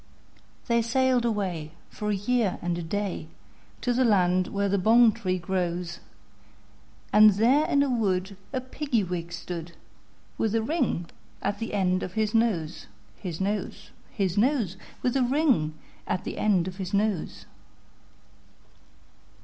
They sailed away, for a year and a day, To the land where the bong tree grows; And there in a wood a Piggy wig stood, With a ring at the end of his nose, His nose, His nose, With a ring at the end of his nose.